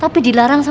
aku dipel bigger